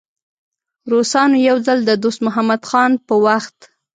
روسانو یو ځل د دوست محمد خان په وخت.